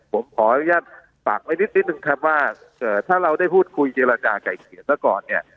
ผมขออนุญาตฝากไว้นิดนึงครับว่าถ้าเราได้พูดคุยเจรจาไก่เกลียดซะก่อนเนี่ย